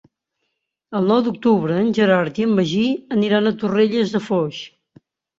El nou d'octubre en Gerard i en Magí aniran a Torrelles de Foix.